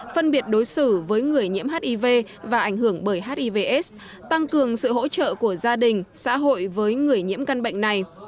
phân biệt đối xử với người nhiễm hiv và ảnh hưởng bởi hivs tăng cường sự hỗ trợ của gia đình xã hội với người nhiễm căn bệnh này